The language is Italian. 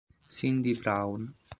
Cindy Brown